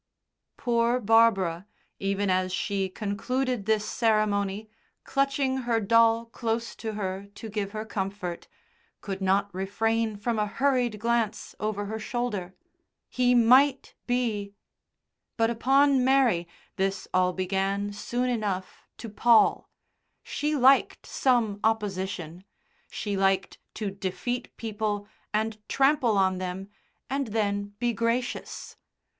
Poor Barbara, even as she concluded this ceremony, clutching her doll close to her to give her comfort, could not refrain from a hurried glance over her shoulder. He might be But upon Mary this all began soon enough to pall. She liked some opposition. She liked to defeat people and trample on them and then be gracious.